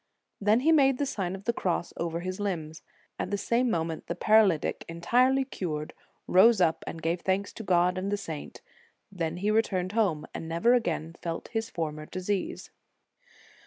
Then he made the Sign of the Cross over his limbs. At the same moment the paralytic, entirely cured, rose up and gave thanks to God and the saint; then he returned home, and never again felt his former disease.